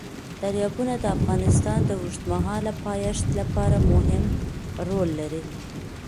دریابونه د افغانستان د اوږدمهاله پایښت لپاره مهم رول لري.